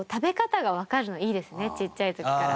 ちっちゃい時から。